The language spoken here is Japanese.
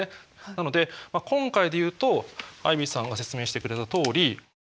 なので今回で言うとアイビーさんが説明してくれたとおり。